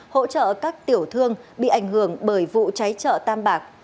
hỗ trợ các tiểu thương bị ảnh hưởng bởi vụ cháy chợ tam bạc